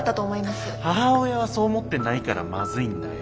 母親はそう思ってないからまずいんだよ。